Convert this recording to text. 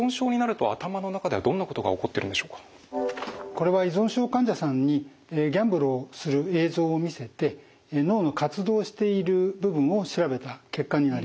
これは依存症患者さんにギャンブルをする映像を見せて脳の活動している部分を調べた結果になります。